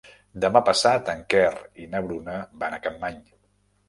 Demà passat en Quer i na Bruna van a Capmany.